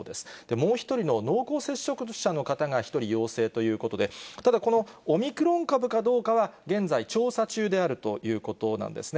もう１人の濃厚接触者の方が１人陽性ということで、ただ、このオミクロン株かどうかは現在、調査中であるということなんですね。